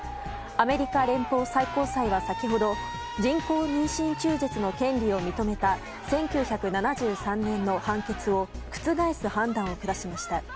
アメリカ連邦最高裁は先ほど人工妊娠中絶の権利を認めた１９７３年の判決を覆す判断を下しました。